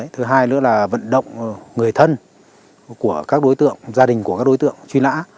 thứ hai nữa là vận động người thân của các đối tượng gia đình của các đối tượng truy nã